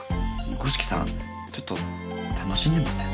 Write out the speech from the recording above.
五色さんちょっと楽しんでません？